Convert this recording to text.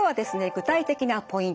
具体的なポイント